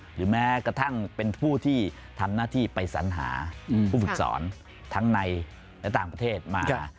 หรือแม้กระทั่งเป็นผู้ที่ทำหน้าที่ไปสัญหาผู้ฝึกสอนทั้งในและต่างประเทศมา